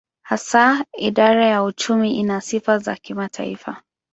Hasa idara ya uchumi ina sifa za kimataifa.